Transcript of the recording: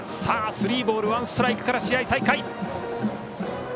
スリーボールワンストライクから試合再開。